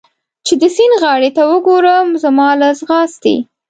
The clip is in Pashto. چې د سیند غاړې ته وګورم، زما له ځغاستې.